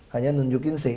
hanya nunjukin c enam